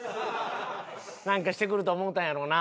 なんかしてくると思うたんやろうな。